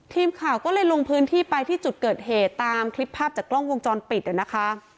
ทีมข่าวก็เลยลงพื้นที่ไปที่จุดเกิดเหตุตามคลิปภาพจากกล้องวงจรปิดนะคะ